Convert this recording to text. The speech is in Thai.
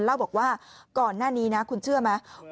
เล่าบอกว่าก่อนหน้านี้นะคุณเชื่อไหม